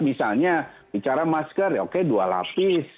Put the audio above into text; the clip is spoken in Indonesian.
misalnya bicara masker ya oke dua lapis